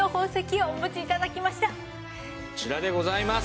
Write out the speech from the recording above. こちらでございます。